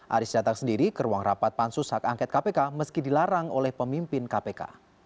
aris datang sendiri ke ruang rapat pansus hak angket kpk meski dilarang oleh pemimpin kpk